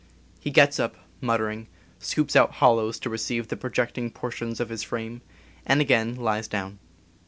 He gets up, muttering, scoops out hollows to receive the projecting portions of his frame, and again lies down.